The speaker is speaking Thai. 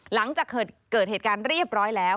หลังจากเกิดเหตุการณ์เรียบร้อยแล้ว